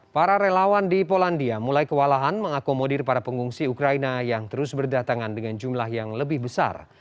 para relawan di polandia mulai kewalahan mengakomodir para pengungsi ukraina yang terus berdatangan dengan jumlah yang lebih besar